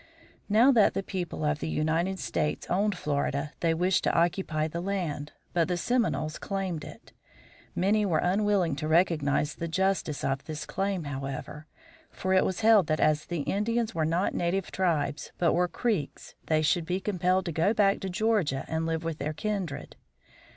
Now that the people of the United States owned Florida they wished to occupy the land, but the Seminoles claimed it. Many were unwilling to recognize the justice of this claim, however; for it was held that as the Indians were not native tribes but were Creeks they should be compelled to go back to Georgia and live with their kindred.